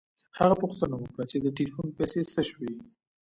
هغه پوښتنه وکړه چې د ټیلیفون پیسې څه شوې